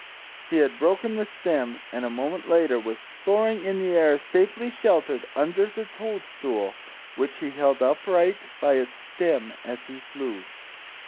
He had broken the stem, and a moment later was soaring in air safely sheltered under the toadstool, which he held upright by its stem as he flew.